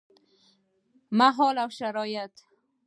مهال او شرايط: